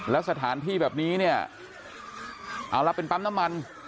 แล้วสถานที่แบบนี้เนี่ยเอาละเป็นปั๊มน้ำมัน